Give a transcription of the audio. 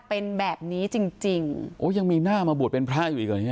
เป็นแบบนี้จริงจริงโอ้ยังมีหน้ามาบวชเป็นพระอยู่อีกอ่ะเฮ